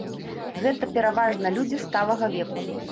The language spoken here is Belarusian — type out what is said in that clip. Гэта пераважна людзі сталага веку.